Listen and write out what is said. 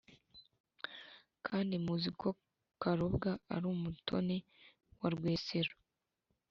kandi muzi ko karobwa ari umutoni wa rwesero